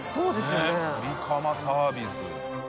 ねぇブリカマサービス。